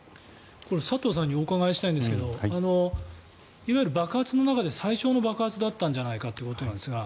これ、佐藤さんにお伺いしたいんですがいわゆる爆発の中で最小の爆発だったんじゃないかということですが